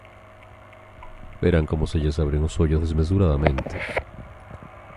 Verán como se lles abren os ollos desmesuradamente.